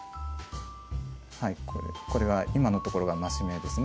これは今のところが増し目ですね